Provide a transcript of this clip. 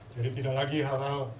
jadi tidak lagi hal hal